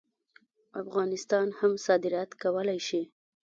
افغانان هم صادرات کولی شي.